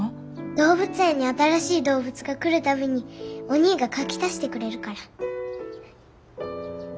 動物園に新しい動物が来る度におにぃが描き足してくれるから。